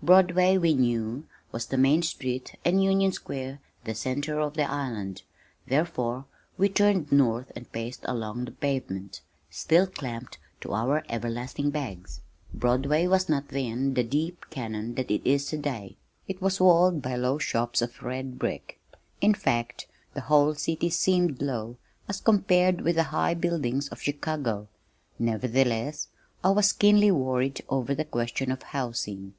Broadway, we knew, was the main street and Union Square the center of the island, therefore we turned north and paced along the pavement, still clamped to our everlasting bags. Broadway was not then the deep canon that it is today. It was walled by low shops of red brick in fact, the whole city seemed low as compared with the high buildings of Chicago, nevertheless I was keenly worried over the question of housing.